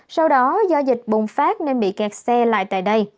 sau đó do dịch bùng phát nên bị kẹt xe lại tại đây